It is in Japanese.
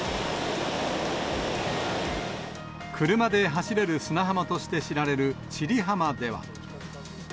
車で走れる砂浜として知られる千里浜では。